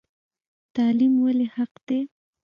تعلیم ولې حق دی؟